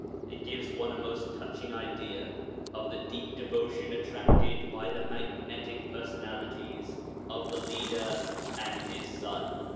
It gives one a most touching idea of the deep devotion attracted by the magnetic personalities of the Leader and his son.